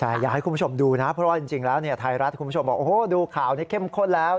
ใช่อยากให้คุณผู้ชมดูนะเพราะว่าจริงแล้วไทยรัฐคุณผู้ชมบอกโอ้โหดูข่าวนี้เข้มข้นแล้ว